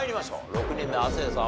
６人目亜生さん